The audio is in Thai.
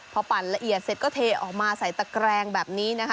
พอปั่นละเอียดเสร็จก็เทออกมาใส่ตะแกรงแบบนี้นะคะ